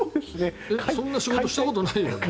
そんな仕事したことないよ。